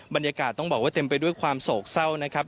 บรรยากาศต้องบอกว่าเต็มไปด้วยความโศกเศร้านะครับ